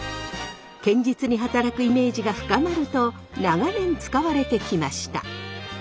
堅実に働くイメージが深まると長年使われてきました。